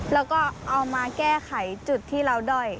แล้วก็เอามาแก้ไขจุดที่เราด้อย